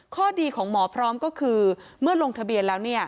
ข้อดีของหมอพร้อมก็คือเมื่อลงทะเบียนแล้ว